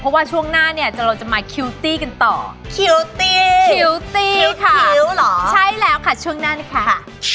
เพราะว่าช่วงหน้าเนี่ยเราจะมาคิวตี้กันต่อคิวตีคิวตีคิ้วเหรอใช่แล้วค่ะช่วงหน้านี้ค่ะ